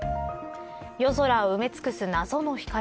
夜空を埋め尽くす謎の光。